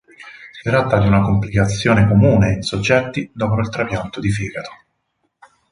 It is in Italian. Si tratta di una complicazione comune in soggetti dopo il trapianto di fegato.